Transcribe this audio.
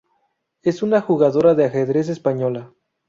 Es una jugadora de ajedrez española.